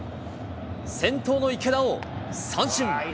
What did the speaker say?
先頭の池田を三振。